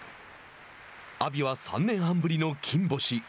阿炎は３年半ぶりの金星。